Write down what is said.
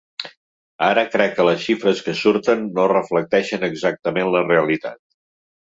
Ara, crec que les xifres que surten no reflecteixen exactament la realitat.